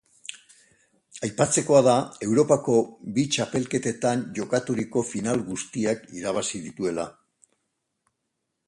Aipatzekoa da Europako bi txapelketetan jokaturiko final guztiak irabazi dituela.